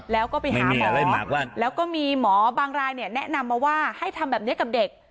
แล้วก็ไปหาหมอแล้วก็มีหมอบางรายเนี่ยแนะนำมาว่าให้ทำแบบนี้กับเด็ก